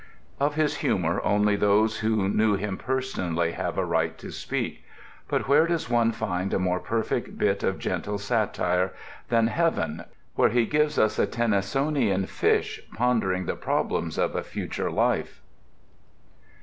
Of his humour only those who knew him personally have a right to speak; but where does one find a more perfect bit of gentle satire than Heaven where he gives us a Tennysonian fish pondering the problem of a future life.